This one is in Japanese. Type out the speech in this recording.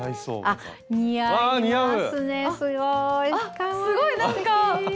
あっすごいなんか。